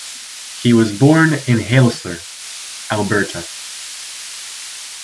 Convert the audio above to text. He was born in Heisler, Alberta.